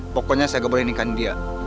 pokoknya saya gak boleh nikahin dia